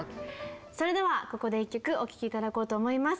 それではここで１曲お聴き頂こうと思います。